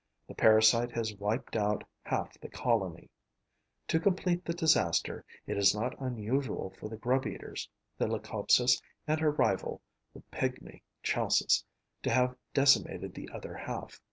The parasite has wiped out half the colony. To complete the disaster, it is not unusual for the grub eaters, the Leucopsis and her rival, the pygmy Chalcis, to have decimated the other half.